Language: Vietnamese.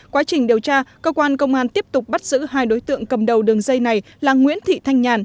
quá trình điều tra cơ quan công an tiếp tục bắt giữ hai đối tượng cầm đầu đường dây này là nguyễn thị thanh nhàn